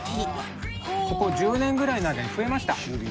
ここ１０年ぐらいの間に増えました。